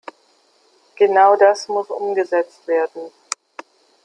Genau das muss umgesetzt werden!